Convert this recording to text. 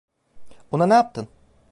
Ona ne yaptın?